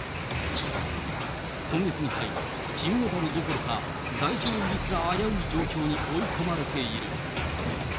今月に入り、金メダルどころか、代表入りすら危うい状況に追い込まれている。